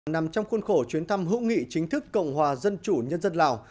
nằm trong khuôn khổ chuyến thăm hữu nghị chính thức cộng hòa dân chủ nhân dân lào